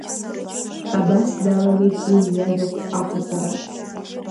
Абас далагеит уи иажәахә аҟаҵара.